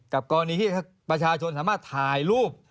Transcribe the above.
กับกรณีที่จะเปิดภาษาสุดท้ายรูป